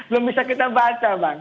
belum bisa kita baca bang